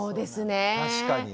確かに。